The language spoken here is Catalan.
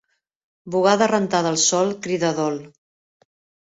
Bugada rentada al sol, crida dol.